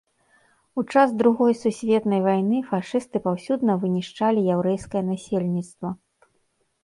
У час другой сусветнай вайны фашысты паўсюдна вынішчалі яўрэйскае насельніцтва.